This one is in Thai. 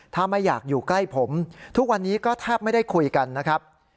ถ้าไม่อยากอยู่ใกล้ผมทุกวันนี้ก็แทบไม่ได้คุยกันนะครับ